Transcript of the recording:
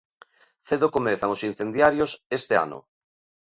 Cedo comezan os incendiarios este ano.